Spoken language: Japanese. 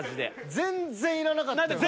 全然いらんかった。